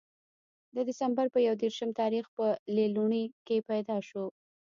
د دسمبر پۀ يو ديرشم تاريخ پۀ ليلوڼۍ کښې پېداشو